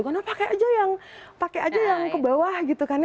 karena pakai aja yang ke bawah gitu kan